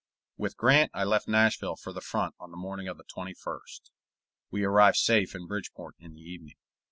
With Grant I left Nashville for the front on the morning of the 21st. We arrived safe in Bridgeport in the evening.